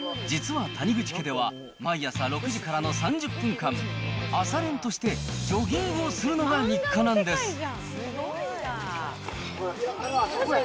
実は谷口家では、毎朝６時からの３０分間、朝練としてジョギングをするのが日課なんです。